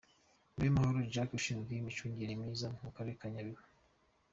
Niwemahoro Jacques ushinzwe imicungire y’ibiza mu karere ka Nyabihu.